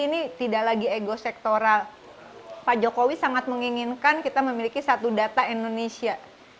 ini tidak lagi ego sektoral pak jokowi sangat menginginkan kita memiliki satu data indonesia